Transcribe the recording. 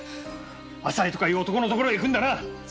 浅井とかいう男のところへ行くんだな！